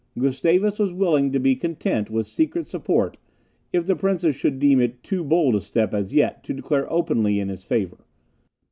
Gustavus was willing to be content with secret support, if the princes should deem it too bold a step as yet to declare openly in his favour.